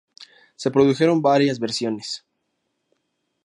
Se produjeron varias versiones.